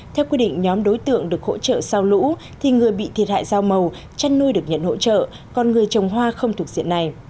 theo quy định nhóm đối tượng được hỗ trợ sau lũ thì người bị thiệt hại rau màu chăn nuôi được nhận hỗ trợ còn người trồng hoa không thuộc diện này